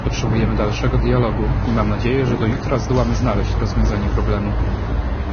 Potrzebujemy dalszego dialogu i mam nadzieję, że do jutra zdołamy znaleźć rozwiązanie problemu